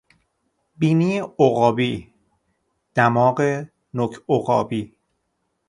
بینی عقابی، دماغ نوک عقابی